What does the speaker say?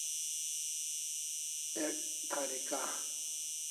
Ek tharika